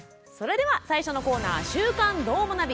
では、最初のコーナー「週刊どーもナビ」。